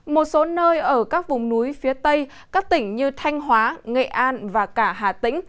một số nơi ở các vùng núi phía tây các tỉnh như thanh hóa nghệ an và cả hà tĩnh